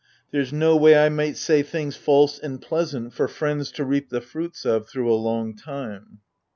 There's no way I might say things false and pleasant For friends to reap the fruits of through a long time.